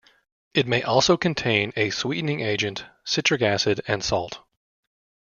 It may also contain a sweetening agent, citric acid and salt.